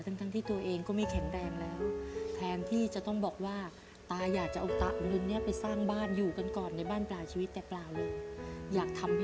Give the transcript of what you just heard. ทั้งที่ตัวเองก็ไม่แข็งแรงแล้วแทนที่จะต้องบอกว่าตาอยากจะเอาตาอุรุนเนี่ยไปสร้างบ้านอยู่กันก่อนในบ้านปลายชีวิตแต่เปล่าเลยอยากทำให้